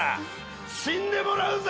死んでもらうぜ。